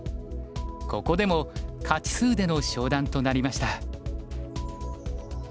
ここでも勝ち数での昇段となりました。